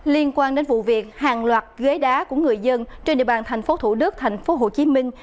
liên quan đến vụ việc hàng loạt ghế đá của người dân trên địa bàn tp thủ đức tp hồ chí minh